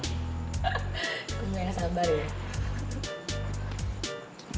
kamu gak sabar ya